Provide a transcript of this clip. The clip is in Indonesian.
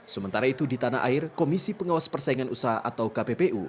sementara itu di tanah air komisi pengawas persaingan usaha atau kppu